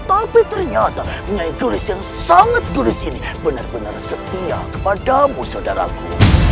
tapi ternyata nyai igelis yang sangat igelis ini benar benar setia kepadamu saudaraku